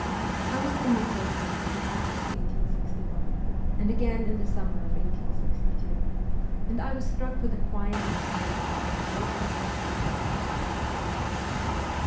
I was in Nik61skoye in August 1861, and again in the summer of 1862, and I was struck with the quiet intelligent way in which the peasants had accepted the new conditions.